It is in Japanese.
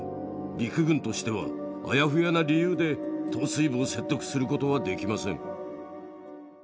陸軍としてはあやふやな理由で統帥部を説得することはできません。